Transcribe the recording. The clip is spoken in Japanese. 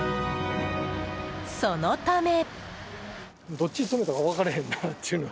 そのため。